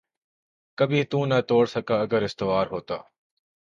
کبھی تو نہ توڑ سکتا اگر استوار ہوتا